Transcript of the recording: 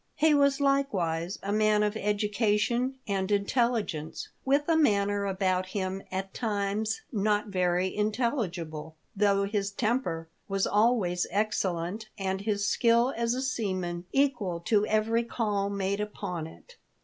He was, NVE SPEAK THE LOVELY NANCY. 5 likewise, a man of education and intellig ence, with a manner about him at times not very intelligible, though his temper was always excellent and his skill as a seaman equal to every call made upon it.